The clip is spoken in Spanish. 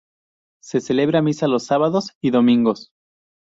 Se celebra misa los sábados y domingos.